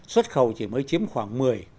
xuất khẩu chỉ mới chiếm khoảng